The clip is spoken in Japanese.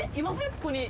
ここに。